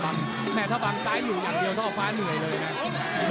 แม้ทะวังซ้ายอยู่อย่างเดียวท่อฟ้าเหนื่อยเลยนะ